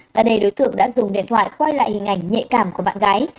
tại đây đối tượng đã dùng điện thoại quay lại hình ảnh nhạy cảm của bạn gái